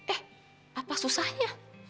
eh apa susahnya